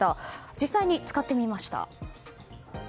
実際に使ってみました。